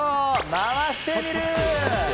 「回してみる。」。